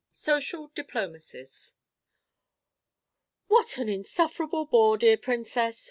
SOCIAL DIPLOMACIES "What an insufferable bore, dear Princess!"